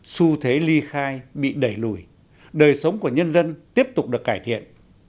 xu thế ly khai bị đẩy lùi đời sống của nhân dân tiếp tục được cải thiện